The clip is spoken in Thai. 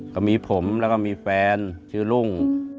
ก็มีผมแล้วก็มีแฟนชื่อรุ่ง